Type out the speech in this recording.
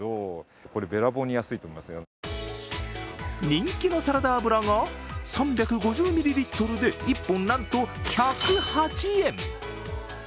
人気のサラダ油が３５０ミリリットルで１本なんと１０８円！